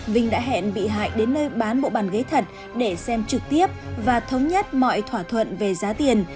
vinh đã hẹn bị hại đến nơi bán bộ bàn ghế thật để xem trực tiếp và thống nhất mọi thỏa thuận về giá tiền